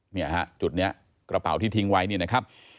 เนี่ยฮะจุดนี้กระเป๋าที่ทิ้งไว้เนี่ยนะครับ